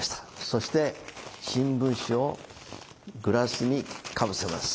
そして新聞紙をグラスにかぶせます。